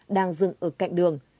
đang dựng ở cạnh đường